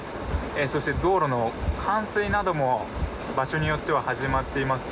そして道路の冠水なども場所によっては始まっています。